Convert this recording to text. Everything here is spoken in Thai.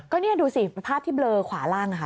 ก็นี่ดูสิภาพที่เบลอขวาล่างค่ะ